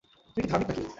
তুমি কি ধার্মিক না-কি?